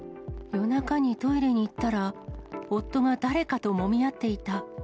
夜中にトイレに行ったら、夫が誰かともみ合っていた。